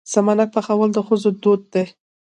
سمنک پخول د ښځو دود دی.